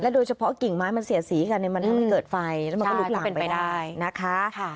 โดยเฉพาะกิ่งไม้มันเสียสีกันมันทำให้เกิดไฟแล้วมันก็ลุกลามไปได้นะคะ